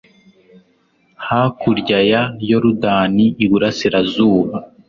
hakurya ya yorudani, iburasirazuba